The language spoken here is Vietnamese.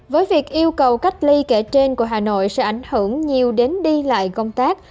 với việc yêu cầu cách ly kể trên của hà nội sẽ ảnh hưởng nhiều đến đi lại công tác